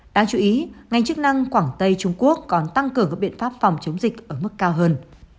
đáng chú ý ngành chức năng quảng tây trung quốc còn tăng cường các biện pháp phòng chống dịch ở mức cao hơn